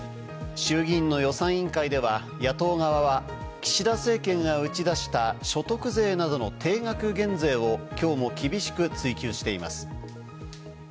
衆議院の予算委員会では、野党側は岸田政権が打ち出した所得税などの定額減税をきょうも厳しく追及しています。